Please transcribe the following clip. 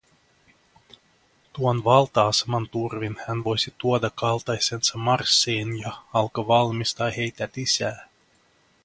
Tuon valta-aseman turvin hän voisi tuoda kaltaisensa Marssiin ja alkaa valmistaa heitä lisää.